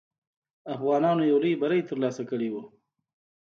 افغانانو یو لوی بری ترلاسه کړی وو.